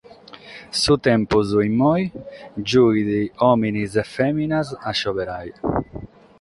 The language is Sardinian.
Su tempus como giughet òmines e fèminas a seberare.